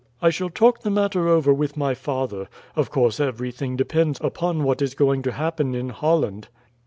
I shall talk the matter over with my father. Of course everything depends upon what is going to happen in Holland."